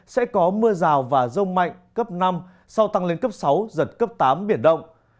sẽ có mưa rào và rông mạnh cấp năm sau tăng lên cấp sáu giật cấp tám biển động